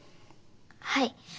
はい。